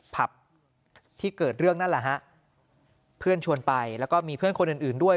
ผับที่เกิดเรื่องนั่นแหละฮะเพื่อนชวนไปแล้วก็มีเพื่อนคนอื่นอื่นด้วย